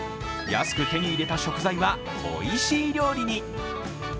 安く手に入れた食材はおいしい料理に。